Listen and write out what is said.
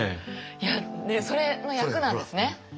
いやそれの役なんですね。